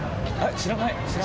知らない？